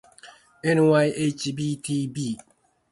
ｎｙｈｂｔｂ